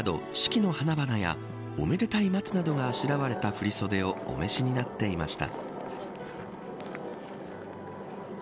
佳子さまは、クリーム色の地に菊など四季の花々やおめでたい松などがあしらわれた振り袖をお召しになっていました。